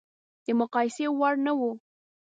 د مقایسې وړ نه و.